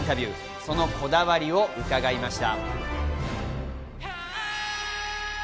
そのこだわりを伺いました。